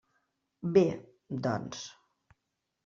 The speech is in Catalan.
Bé, doncs.